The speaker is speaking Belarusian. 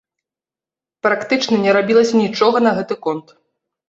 Практычна не рабілася нічога на гэты конт.